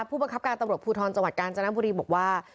ผู้บังคับการตำรวจภูทรจังหวัดกาญจนบุรีบอกว่า